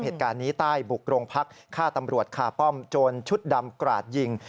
เหตุการณ์นี้ใต้บุกโรงพักฆ่าตำรวจคาป้อมโจรชุดดำกราดยิง